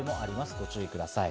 ご注意ください。